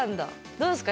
どうですか？